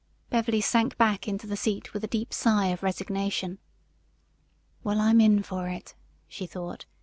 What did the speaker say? Beverly sank back into the seat with a deep sigh of resignation. "Well, I'm in for it," she thought.